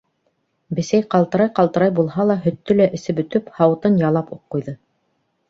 Бесәй ҡалтырай-ҡалтырай булһа ла һөттө лә эсеп бөтөп, һауытын ялап уҡ ҡуйҙы.